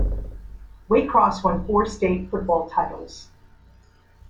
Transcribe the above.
Waycross won four state football titles.